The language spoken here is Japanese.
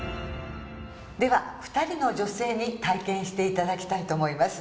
では２人の女性に体験していただきたいと思います。